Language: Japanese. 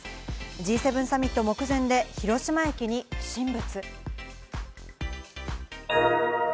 Ｇ７サミット目前で広島駅に不審物。